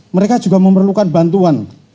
mereka juga memerlukan bantuan